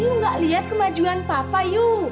you nggak lihat kemajuan papa you